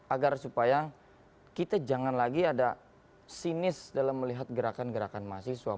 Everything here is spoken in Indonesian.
agar supaya kita jangan lagi ada sinis dalam melihat gerakan gerakan mahasiswa